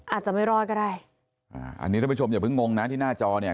อาจจะไม่รอดก็ได้อ่าอันนี้ท่านผู้ชมอย่าเพิ่งงงนะที่หน้าจอเนี่ย